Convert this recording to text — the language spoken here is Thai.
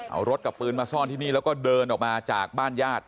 เอารถกับปืนมาซ่อนที่นี่แล้วก็เดินออกมาจากบ้านญาติ